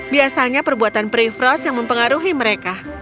biasanya perbuatan prefross yang mempengaruhi mereka